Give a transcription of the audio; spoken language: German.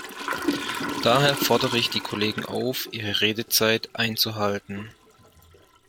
Daher fordere ich die Kollegen auf, ihre Redezeit einzuhalten.